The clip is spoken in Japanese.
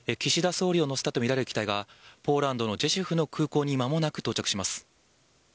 総理を乗せたと見られる機体が、ポーランドのジェシュフの空港にまもなく到着します。